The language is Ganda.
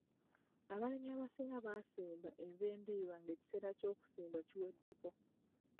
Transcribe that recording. Abalimi abasinga basimba envendiirwa nga ekiseera ky'okusimba kiweddeko.